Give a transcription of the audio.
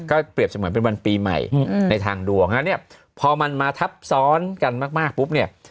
ก็เปรียบเสมือนเป็นวันปีใหม่ในทางดวงฮะเนี่ยพอมันมาทับซ้อนกันมากปุ๊บเนี่ย